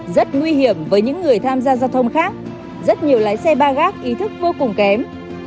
rất nguy hiểm với những người tham gia giao thông khác rất nhiều lái xe ba gác ý thức vô cùng kém